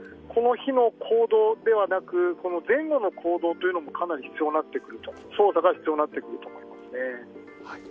この日の行動ではなく前後の行動というのもかなり捜査が必要になってくると思います。